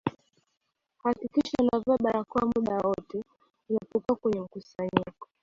hakikisha unavaa barakoa muda wote unapokuwa kwenye mkusanyiko